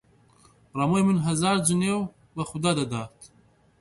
ڕەمۆی من هەزار جنێو بە خودا دەدا!